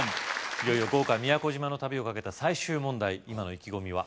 いよいよ豪華宮古島の旅をかけた最終問題今の意気込みは？